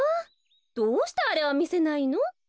どうしてあれはみせないの？え！